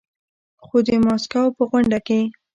خو د ماسکو په غونډه کې